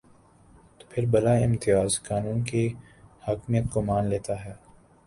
تو پھر بلا امتیاز قانون کی حاکمیت کو مان لیتا ہے۔